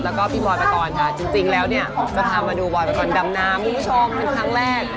แล้วก็พี่บอยปกรณ์ค่ะจริงแล้วเนี่ยจะพามาดูบอยปอนดำน้ำคุณผู้ชมเป็นครั้งแรก